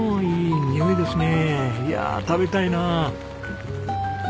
いや食べたいなあ。